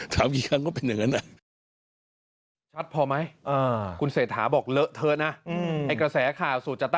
แต่มันก็ยังมีสูตรนี้ออกมาเรื่อย